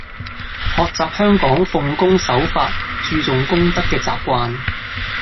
學習香港奉公守法、注重公德嘅習慣